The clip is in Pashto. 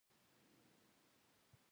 کۀ تاسو ټول کور صفا ساتل غواړئ